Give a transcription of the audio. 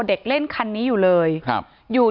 ที่มีข่าวเรื่องน้องหายตัว